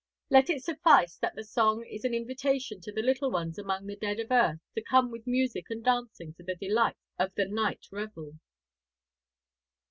Let it suffice that the song is an invitation to the little ones among the dead of earth to come with music and dancing to the delights of the night revel.